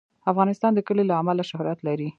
افغانستان د کلي له امله شهرت لري.